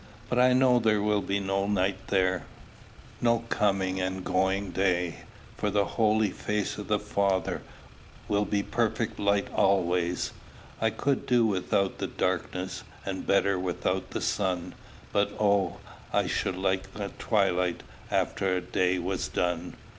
But I know there will be no night there, No coming and going day; For the holy face of the Father Will be perfect light alway. "I could do without the darkness, And better without the sun; But, oh, I should like a twilight After the day was done!